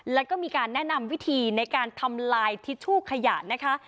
แล้วก็มีการแนะนำวิธีในการทำลายทิชชู่ขยะนะคะ